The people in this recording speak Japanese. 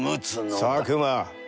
佐久間。